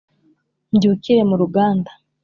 Mbyukire mu ruganda,